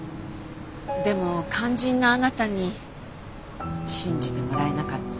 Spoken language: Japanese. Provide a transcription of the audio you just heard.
でも肝心なあなたに信じてもらえなかった。